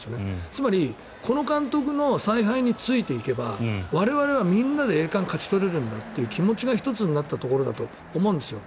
つまり、この監督の采配についていけば我々はみんなで栄冠を勝ち取れるんだという気持ちが１つになったところだと思うんですよ。